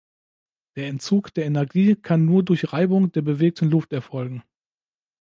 Der Entzug der Energie kann nur durch Reibung der bewegten Luft erfolgen.